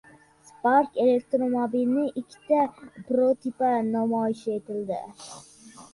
«Spark» elektromobilining ikkita prototipi namoyish etildi